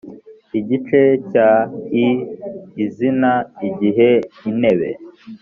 igice cya i izina igihe intebe